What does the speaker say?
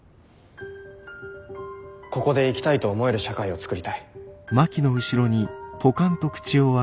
ここで生きたいと思える社会を創りたい。